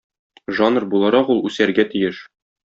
Жанр буларак ул үсәргә тиеш.